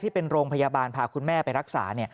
ที่เป็นโรงพยาบาลพาคุณแม่ไปรักษา